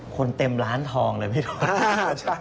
คนเต็มล้านทองเลยพี่โดรส